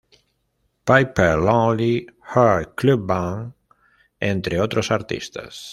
Pepper's Lonely Hearts Club Band, entre otros artistas.